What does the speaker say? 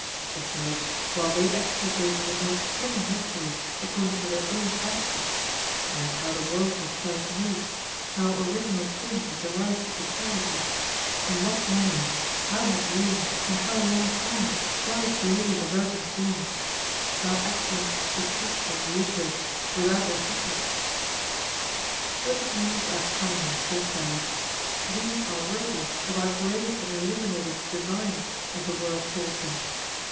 Besides, while they explicate the most hidden mysteries according to their own fancy as how the world was first made; how original sin is derived to posterity; in what manner, how much room, and how long time Christ lay in the Virgin's womb; how accidents subsist in the Eucharist without their subject. But these are common and threadbare; these are worthy of our great and illuminated divines, as the world calls them!